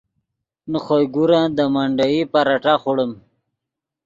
نے خوئے گورن دے منڈیئی پراٹھہ خوڑیم